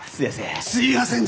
すいやせん。